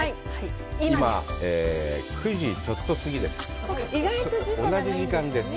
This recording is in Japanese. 今、９時ちょっと過ぎです。